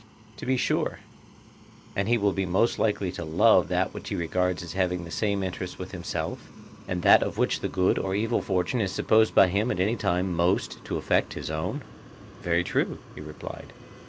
To be sure. And he will be most likely to love that which he regards as having the same interests with himself, and that of which the good or evil fortune is supposed by him at any time most to affect his own? Very true, he replied.